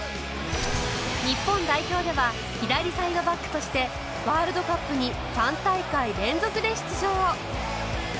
日本代表では左サイドバックとしてワールドカップに３大会連続で出場